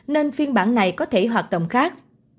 nên phiên bản này có thể hoạt động khác